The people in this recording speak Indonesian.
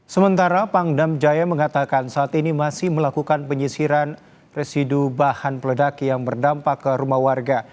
sementara pangdam jaya mengatakan saat ini masih melakukan penyisiran residu bahan peledak yang berdampak ke rumah warga